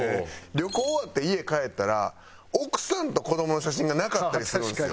旅行終わって家帰ったら奥さんと子どもの写真がなかったりするんですよ。